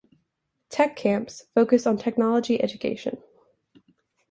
Tech camps focus on technology education.